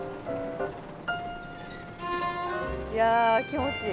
いや気持ちいい。